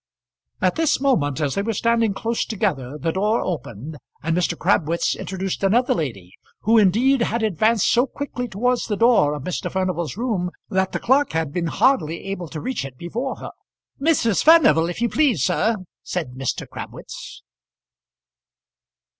At this moment, as they were standing close together, the door opened, and Mr. Crabwitz introduced another lady who indeed had advanced so quickly towards the door of Mr. Furnival's room, that the clerk had been hardly able to reach it before her. "Mrs. Furnival, if you please, sir," said Mr. Crabwitz.